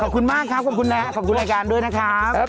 ขอบคุณมากครับขอบคุณนะครับขอบคุณรายการด้วยนะครับ